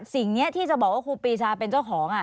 สิ่งนี้ที่จะบอกว่าครูปีชาเป็นเจ้าของ